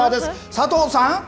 佐藤さん。